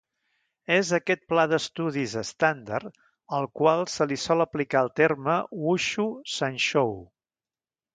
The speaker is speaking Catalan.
És a aquest pla d'estudis estàndard al qual se li sol aplicar el terme "Wushu Sanshou".